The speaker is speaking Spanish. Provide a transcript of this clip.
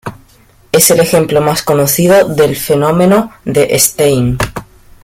Es el ejemplo más conocido del fenómeno de Stein.